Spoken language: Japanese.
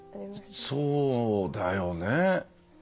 そうだよね。